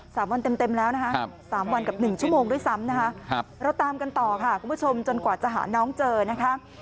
สามวันเต็มเต็มแล้วนะคะครับสามวันกับหนึ่งชั่วโมงด้วยซ้ำนะคะครับเราตามกันต่อค่ะคุณผู้ชมจนกว่าจะหาน้องเจอนะคะ